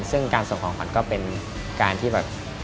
ซึ่งการส่งของขวัญก็เป็นการที่แบบ